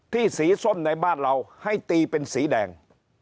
สีส้มในบ้านเราให้ตีเป็นสีแดง